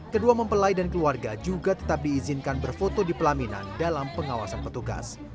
kedua mempelai dan keluarga juga tetap diizinkan berfoto di pelaminan dalam pengawasan petugas